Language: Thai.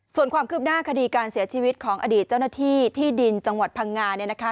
ส่วนความคืบหน้าคดีการเสียชีวิตของอดีตเจ้าหน้าที่ที่ดินจังหวัดพังงาเนี่ยนะคะ